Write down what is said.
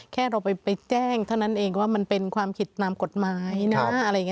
แค่เราไปแจ้งเท่านั้นเองว่ามันเป็นความผิดนามกฎหมายนะ